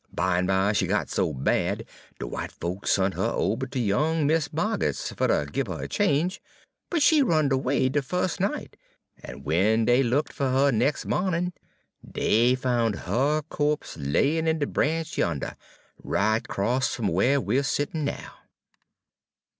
Bimeby she got so bad de w'ite folks sont her ober ter young Mis' Ma'g'ret's fer ter gib her a change; but she runned erway de fus' night, en w'en dey looked fer 'er nex' mawnin', dey foun' her co'pse layin' in de branch yander, right 'cross fum whar we 're settin' now.